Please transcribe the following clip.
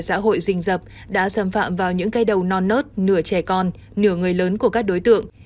xã hội rình rập đã xâm phạm vào những cây đầu non nớt nửa trẻ con nửa người lớn của các đối tượng